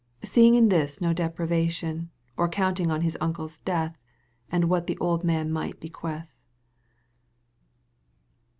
Seeing in this no deprivation, Or counting on his uncle's death And what the old man might bequeath.